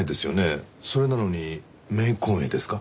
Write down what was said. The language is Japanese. それなのに冥婚絵ですか？